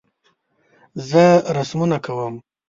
زه رسمونه کوم